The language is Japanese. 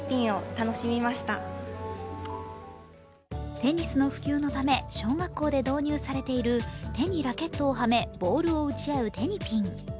テニスの普及のため小学校で導入されている手にラケットをはめ、ボールを打ち合うテニピン。